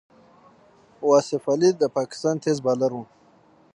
واصف علي د پاکستان تېز بالر وو.